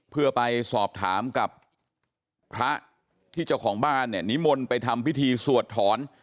เพื่อไปสอบถามกับพระที่เจ้าของบ้านเนี่ยนิมนต์ไปทำพิธีสวดถอน